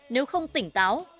nếu không tỉnh táo